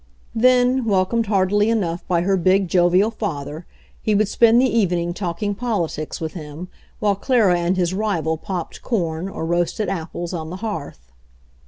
Then, welcomed heartily enough by her big, jovial father, he would spend the evening talk ing politics with him while Clara and his rival popped corn or roasted apples on the hearth.